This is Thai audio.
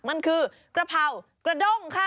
มันคือกระเพรากระด้งค่ะ